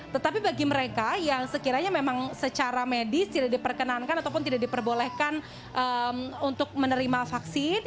tetapi bagi mereka yang sekiranya memang secara medis tidak diperkenankan ataupun tidak diperbolehkan untuk menerima vaksin